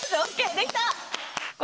できた！